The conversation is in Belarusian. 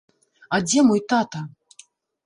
А дзе мой тата?